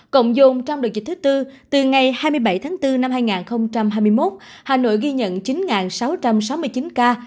cộng dồn trong đợt dịch thứ tư từ ngày hai mươi bảy tháng bốn năm hai nghìn hai mươi một hà nội ghi nhận chín sáu trăm sáu mươi chín ca